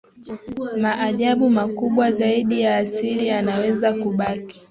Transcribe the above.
maajabu makubwa zaidi ya asili yanaweza kubaki